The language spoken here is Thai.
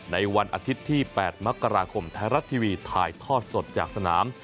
ในวันอาทิตย์ที่๘มกราคมไทยรัฐทีวีถ่ายทอดสดจากสนาม